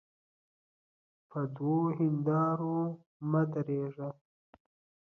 پر دوو هندوانو مه درېږه.